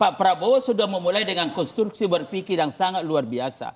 pak prabowo sudah memulai dengan konstruksi berpikir yang sangat luar biasa